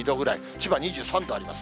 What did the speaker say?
千葉２３度あります。